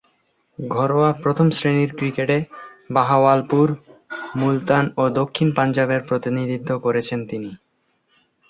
ঘরোয়া প্রথম-শ্রেণীর ক্রিকেটে বাহাওয়ালপুর, মুলতান ও দক্ষিণ পাঞ্জাবের প্রতিনিধিত্ব করেছেন তিনি।